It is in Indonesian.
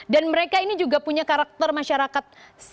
dan mereka ini juga punya karakter masyarakat